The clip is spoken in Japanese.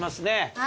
はい。